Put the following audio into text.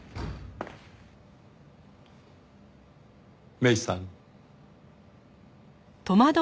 芽依さん。